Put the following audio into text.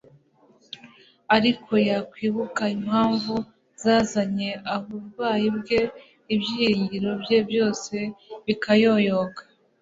Ariko yakwibuka impamvu zazanye ubLirwayi bwe, ibyiringiro bye byose bikayoyoka.